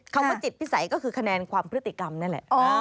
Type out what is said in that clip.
คำว่าจิตพิสัยก็คือคะแนนความพฤติกรรมนั่นแหละ